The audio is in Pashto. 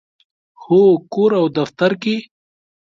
هو، کور او دفتر کې